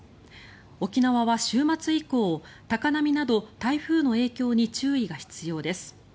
沖縄は週末以降高波など台風の影響に注意が必要です。